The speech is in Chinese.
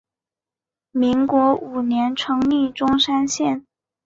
民国五年成立钟山县。